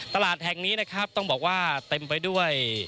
ตลาดแห่งนี้นะครับต้องบอกว่าเต็มไปด้วย